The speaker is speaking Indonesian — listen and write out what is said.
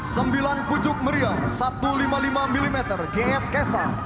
sembilan pucuk meriam satu ratus lima puluh lima mm gs kesa